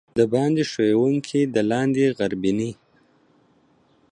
دباندي ښويکى، د لاندي غربينى.